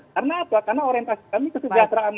karena apa karena orientasi kami keseluruhan